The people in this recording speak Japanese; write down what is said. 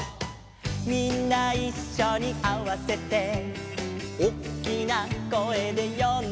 「みんないっしょにあわせて」「おっきな声で呼んだら」